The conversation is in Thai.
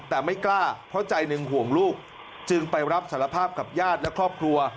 แต่ไม่กล้าเพราะใจหนึ่งห่วงลูกจึงไปรับสารภาพกับญาติและครอบครัว